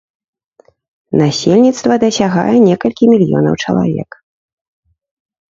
Насельніцтва дасягае некалькі мільёнаў чалавек.